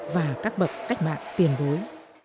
và các bậc cách mạng tiền đối